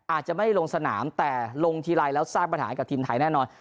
อาจจะไม่ลงสนามแต่ลงทีไรแล้วสร้างปัญหาให้กับทีมไทยแน่นอน